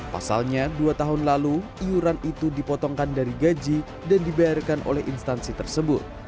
pasalnya dua tahun lalu iuran itu dipotongkan dari gaji dan dibayarkan oleh instansi tersebut